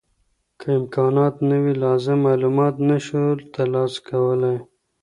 که امکانات نه وي لازم معلومات نه شو ترلاسه کولای.